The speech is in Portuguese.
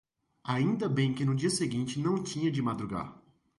Ainda bem que no dia seguinte não tinha de madrugar!